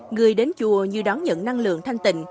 người đến chùa như đón nhận năng lượng thanh tịnh